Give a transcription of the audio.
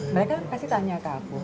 mereka kasih tanya ke aku